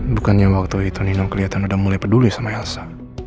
bukannya waktu itu nino kelihatan udah mulai peduli sama elsa